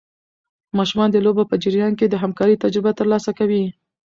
ماشومان د لوبو په جریان کې د همکارۍ تجربه ترلاسه کوي.